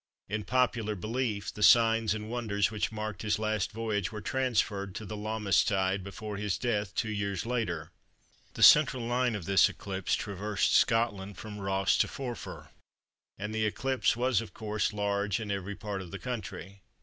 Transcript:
In popular belief the signs and wonders which marked his last voyage were transferred to the Lammas tide before his death two years later." The central line of this eclipse traversed Scotland from Ross to Forfar and the eclipse was of course large in every part of the country.